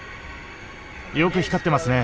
よく光ってますね。